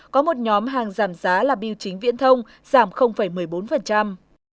có một nhóm hàng giảm giá là biểu chính viễn thông giảm một mươi bốn